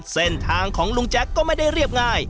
เส้นทางของลุงแจ็คก็ไม่ได้เรียบง่าย